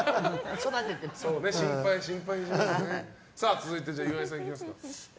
続いて、岩井さんいきますか。